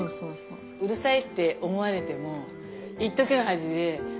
うるさいって思われてもいっときの恥でその時に。